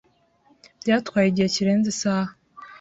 Byatwaye igihe kirenze isaha.